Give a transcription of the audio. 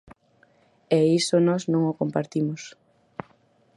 E iso nós non o compartimos.